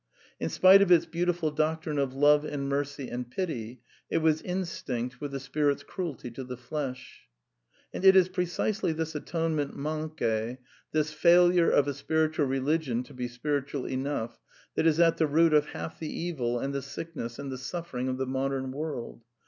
In spite of its beautiful doctrine of love and mercy/ and pity, it was instinct with the spirit's cruelty to the! flesh. ^ And it is precisely this atonement moinqaJe, this failure \ of a spiritual religion to be spiritual enou^, that is at the A root of half the evil and the sickness and the suffering of '\^ the modem world.